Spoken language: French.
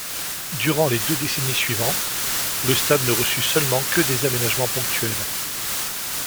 Durant les deux décennies suivantes, le stade ne reçut seulement que des aménagements ponctuels.